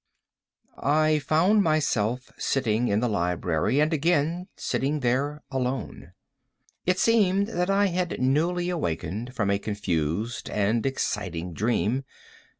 I found myself sitting in the library, and again sitting there alone. It seemed that I had newly awakened from a confused and exciting dream.